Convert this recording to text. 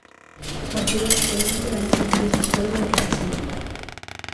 O arquivo do expediente vén tres días despois da declaración.